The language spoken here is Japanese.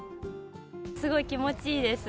すごい気持ちいいです。